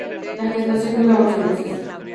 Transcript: La gestación dura once meses.